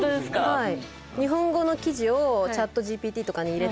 はい。